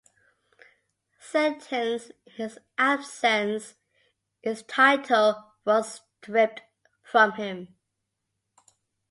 Sentenced in his absence, his title was stripped from him.